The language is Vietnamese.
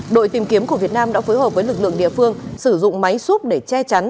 đội tìm kiếm của việt nam đã phối hợp với lực lượng địa phương sử dụng máy xúc để che chắn